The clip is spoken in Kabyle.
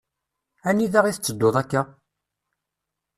Anida i tetteduḍ akka?